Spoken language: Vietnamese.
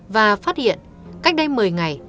và phát hiện cách đây một mươi ngày